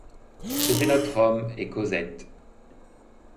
C’était notre homme et Cosette.